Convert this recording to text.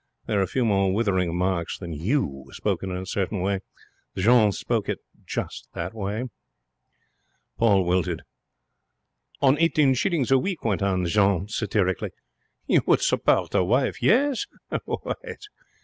There are few more withering remarks than 'You!' spoken in a certain way. Jeanne spoke it in just that way. Paul wilted. 'On eighteen shillings a week,' went on Jeanne, satirically, 'you would support a wife, yes?